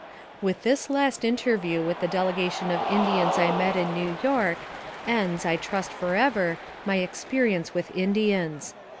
With this last interview with the delegation of In dians I met in New York ends, I trust forever, my experience with Indians.